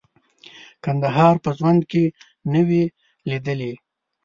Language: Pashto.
کندهار په ژوند کې نه وې لیدلي.